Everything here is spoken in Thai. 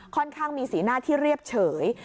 ค่อนข้างมีสีหน้าที่เรียบเฉย